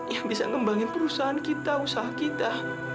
yang bisa ngembangin perusahaan kita usaha kita